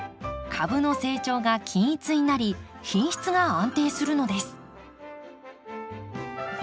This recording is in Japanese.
株の成長が均一になり品質が安定するのです。